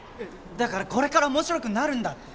だからこれから面白くなるんだって。